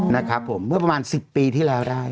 นะครับผมเมื่อประมาณ๑๐ปีที่แล้วได้